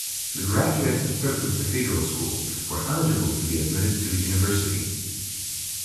The graduates of Turku Cathedral School were eligible to be admitted to the university.